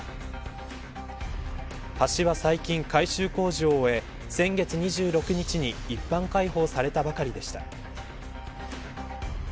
橋は最近、改修工事を終え先月２６日に一般開放されたばかりでした。